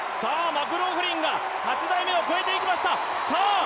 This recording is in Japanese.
マクローフリンが８台目を越えていきました。